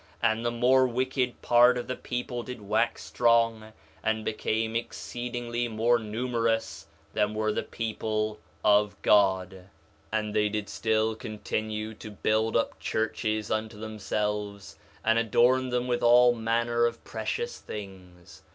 And the more wicked part of the people did wax strong, and became exceedingly more numerous than were the people of God. 4 Nephi 1:41 And they did still continue to build up churches unto themselves, and adorn them with all manner of precious things.